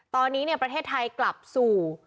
ตอนนี้ประเทศไทยกลับสู่